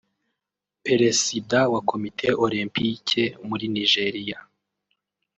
Peresida wa Komite Olympike muri Nigeria